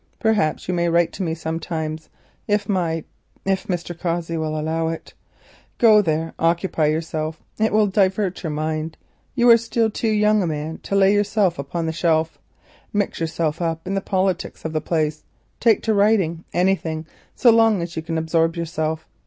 Perhaps you may write to me sometimes—if Mr. Cossey will allow it. Go there and occupy yourself, it will divert your mind—you are still too young a man to lay yourself upon the shelf—mix yourself up with the politics of the place, take to writing; anything, so long as you can absorb yourself.